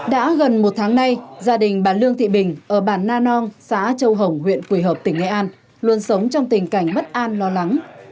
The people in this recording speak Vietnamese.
đã gần một tháng nay gia đình bà lương thị bình ở bản na non xã châu hồng huyện quỳ hợp tỉnh nghệ an luôn sống trong tình cảnh bất an lo lắng